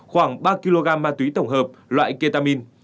khoảng ba kg ma túy tổng hợp loại ketamin